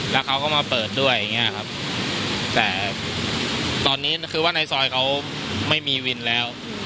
แล้วเขาก็มาเปิดด้วยแต่ตอนนี้คือว่าในซอยเขาไม่มีวินแล้ว